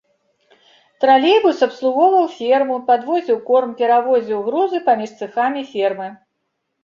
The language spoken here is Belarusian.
Тралейбус абслугоўваў ферму, падвозіў корм, перавозіў грузы паміж цэхамі фермы.